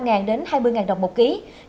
nhiều người dân đã tìm ra giá cầu tươi cao